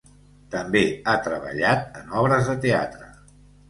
També ha treballat en obres de teatre.